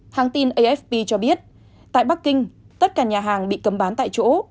hàng tin afp cho biết tại bắc kinh tất cả nhà hàng bị cấm bán tại chỗ